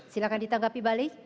silakan ditanggapi balik